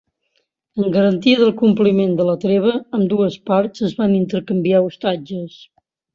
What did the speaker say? En garantia del compliment de la treva ambdues parts es van intercanviar ostatges.